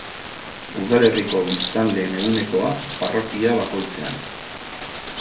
Udalerriko biztanleen ehunekoa, parrokia bakoitzean.